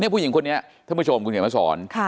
เนี่ยผู้หญิงคนนี้ท่านผู้ชมคุณเห็นมาสอน